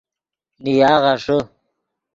نیا غیݰے